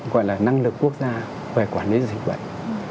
gọi là năng lực quốc gia về quản lý dịch bệnh